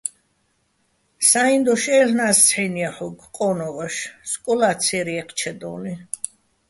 სა́იჼ დოშ აჲლ'ნა́ს ცჰ̦აჲნ ჲაჰ̦ოგო̆ ყო́ნუჼ ვაშ, სკოლა́ ცე́რ ჲე́ჴჩედო́ლიჼ.